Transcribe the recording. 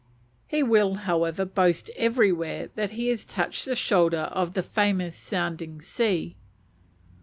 He will, however, boast everywhere that he has touched the shoulder of the famous "Sounding Sea."